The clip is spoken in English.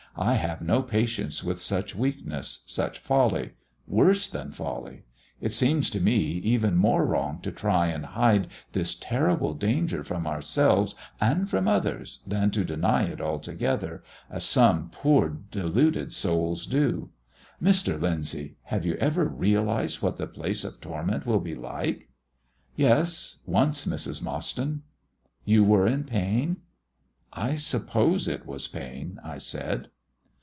I have no patience with such weakness, such folly worse than folly. It seems to me even more wrong to try and hide this terrible danger from ourselves and from others than to deny it altogether, as some poor deluded souls do. Mr. Lyndsay, have you ever realised what the place of torment will be like?" "Yes; once, Mrs. Mostyn." "You were in pain?" "I suppose it was pain," I said.